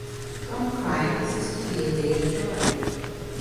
Don't cry; this is to be a day of joy.